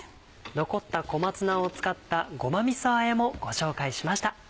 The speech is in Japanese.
残った小松菜を使ったごまみそあえもご紹介しました。